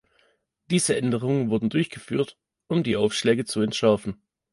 Diese Änderungen wurden durchgeführt, um die Aufschläge zu entschärfen.